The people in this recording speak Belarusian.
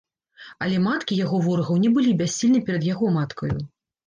Але маткі яго ворагаў не былі бяссільны перад яго маткаю.